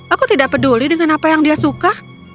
aku tidak peduli dengan apa yang dia suka